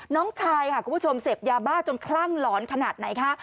น้องชายค่ะคุณผู้ชมเสพยาบ้าจนคลั่งหลอนขนาดไหนคะ